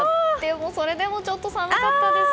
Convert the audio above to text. それでもちょっと寒かったです。